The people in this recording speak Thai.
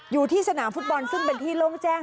อยู่ที่สนามฟุตบอลซึ่งเป็นที่โล่งแจ้ง